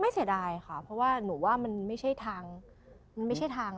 ไม่เสียดายค่ะเพราะว่ามั้นไม่ใช่ทาง